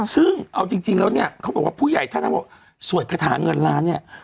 ซึ่งเอาจริงแล้วเนี่ยเขาบอกว่าผู้ใหญ่ท่านนั้นบอกสวดคาถาเงินล้านเนี่ย